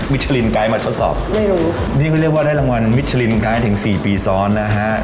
วิชลินไกรมาทดสอบไม่รู้นี่ก็เรียกว่าได้รางวัลวิชลินไกรถึงสี่ปีซ้อนนะฮะ